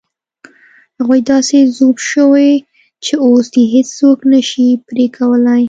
هغوی داسې ذوب شوي چې اوس یې هېڅوک نه شي پرې کولای.